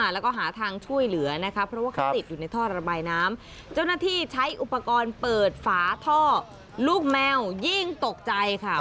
แล้วก็หาทางช่วยเหลือนะคะเพราะว่าเขาติดอยู่ในท่อระบายน้ำเจ้าหน้าที่ใช้อุปกรณ์เปิดฝาท่อลูกแมวยิ่งตกใจค่ะ